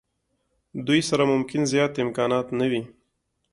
دوی سره ممکن زیات امکانات نه وي.